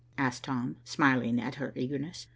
asked Tom, smiling at her eagerness.